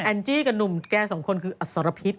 จี้กับหนุ่มแกสองคนคืออสรพิษ